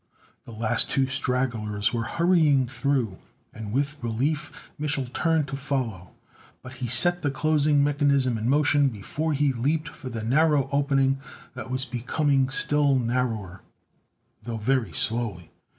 The last two stragglers were hurrying through, and with relief Mich'l turned to follow. But he set the closing mechanism in motion before he leaped for the narrow opening that was becoming still narrower, though very slowly.